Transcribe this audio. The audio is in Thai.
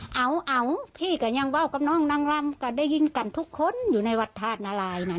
เอาพี่ก็ยังว่าวกับน้องนางรำก็ได้ยินกันทุกคนอยู่ในวัดธาตุนารายนะ